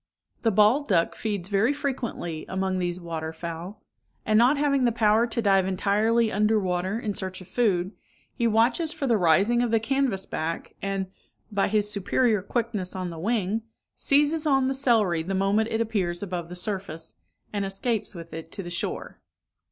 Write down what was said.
The bald duck feeds very frequently among these water fowl; and not having the power to dive entirely under water in search of food, he watches for the rising of the canvass back, and, by his superior quickness on the wing, seizes on the celery the moment it appears above the surface, and escapes with it to the shore.